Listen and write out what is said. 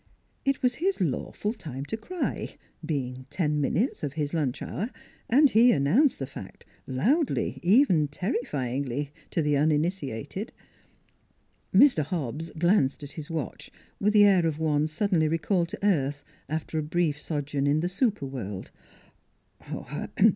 It was his lawful time to cry being ten min utes of his lunch hour and he announced the fact, loudly, even terrifyingly to the uninitiated. Mr. Hobbs glanced at his watch, with the air of one suddenly recalled to earth after a brief sojourn in a super world.